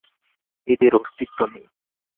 এদের অস্তিত্ব নেই।